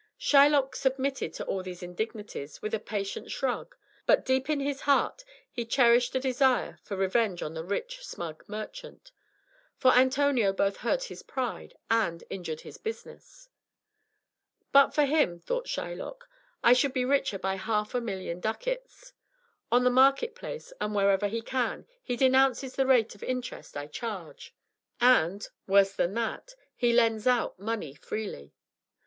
Shylock submitted to all these indignities with a patient shrug; but deep in his heart he cherished a desire for revenge on the rich, smug merchant. For Antonio both hurt his pride and injured his business. "But for him," thought Shylock, "I should be richer by half a million ducats. On the market place, and wherever he can, he denounces the rate of interest I charge, and worse than that he lends out money freely."